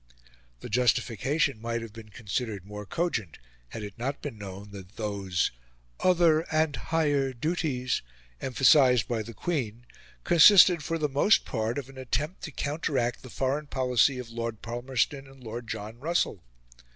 The justification might have been considered more cogent had it not been known that those "other and higher duties" emphasised by the Queen consisted for the most part of an attempt to counteract the foreign policy of Lord Palmerston and Lord John Russell.